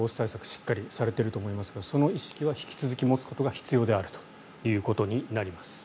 しっかりされていると思いますがその意識は引き続き持つことが必要であるとなります。